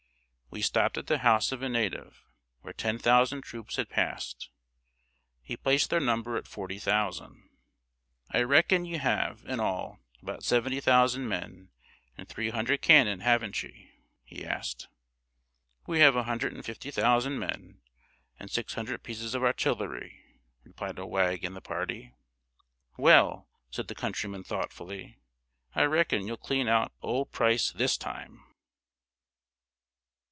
We stopped at the house of a native, where ten thousand troops had passed. He placed their number at forty thousand! "I reckon you have, in all, about seventy thousand men, and three hundred cannon, haven't you?" he asked. "We have a hundred and fifty thousand men, and six hundred pieces of artillery," replied a wag in the party. "Well," said the countryman, thoughtfully, "I reckon you'll clean out old Price this time!"